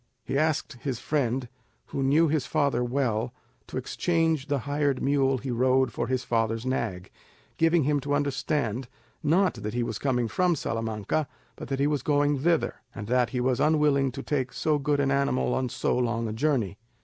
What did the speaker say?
He asked his friend, who knew his father well, to exchange the hired mule he rode for his father's nag, giving him to understand, not that he was coming from Salamanca, but that he was going thither, and that he was unwilling to take so good an animal on so long a journey.